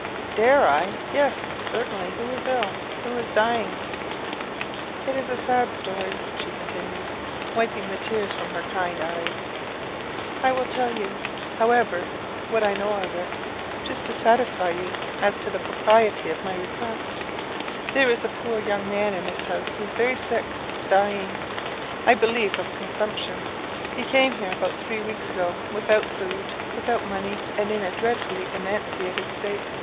"Dare I? Yes, certainly! Who is ill? Who is dying?" "It's a sad story," she continued, wiping the tears from her kind eyes. "I will tell you, however, what I know of it, just to satisfy you as to the propriety of my request. There is a poor young man in this house who is very sick dying, I believe, of consumption. He came here about three weeks ago, without food, without money, and in a dreadfully emaciated state.